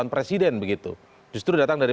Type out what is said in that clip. presiden begitu justru datang dari